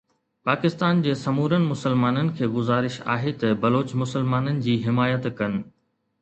پاڪستان جي سمورن مسلمانن کي گذارش آهي ته بلوچ مسلمانن جي حمايت ڪن.